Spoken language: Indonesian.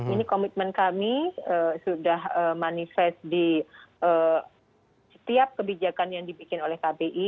ini komitmen kami sudah manifest di setiap kebijakan yang dibikin oleh kbi